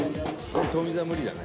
「富澤無理だね」